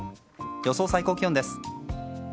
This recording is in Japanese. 予想最高気温です。